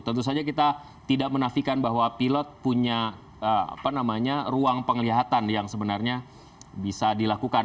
tentu saja kita tidak menafikan bahwa pilot punya ruang penglihatan yang sebenarnya bisa dilakukan